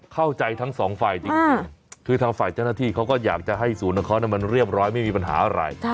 เข้าใจทั้งสองฝ่ายจริงคือทางฝ่ายเจ้าหน้าที่เขาก็อยากจะให้ศูนย์ของเขามันเรียบร้อยไม่มีปัญหาอะไร